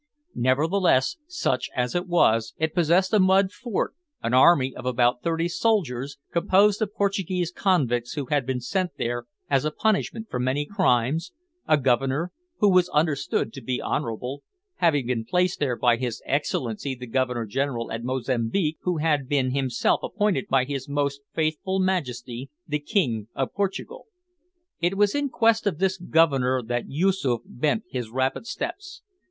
Nevertheless, such as it was, it possessed a mud fort, an army of about thirty soldiers, composed of Portuguese convicts who had been sent there as a punishment for many crimes, a Governor, who was understood to be honourable, having been placed there by his Excellency the Governor General at Mozambique, who had been himself appointed by His Most Faithful Majesty the King of Portugal. It was in quest of this Governor that Yoosoof bent his rapid steps.